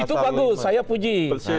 itu bagus saya puji